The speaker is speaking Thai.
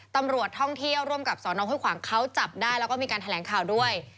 ตำรวจท่องเที่ยวร่วมกับสนห้วยขวางเขาจับได้แล้วก็มีการแถลงข่าวด้วย